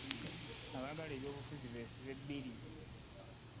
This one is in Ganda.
Abaagala ebyobufuzi beesibe bbiri.